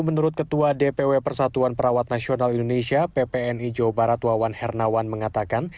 menurut ketua dpw persatuan perawat nasional indonesia ppni jawa barat wawan hernawan mengatakan